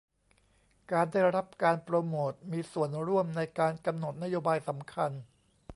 การได้รับการโปรโมตมีส่วนร่วมในการกำหนดนโยบายสำคัญ